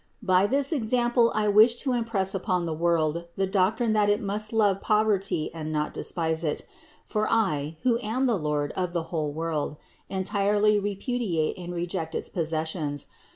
By this example I wish to impress upon the world the doctrine that it must love poverty and not despise it ; for I, who am the Lord of the whole world, entirely repudiated and rejected its possessions.